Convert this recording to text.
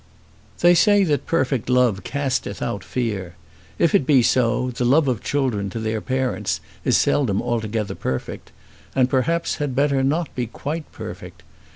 They say that perfect love casteth out fear. If it be so the love of children to their parents is seldom altogether perfect, and perhaps had better not be quite perfect.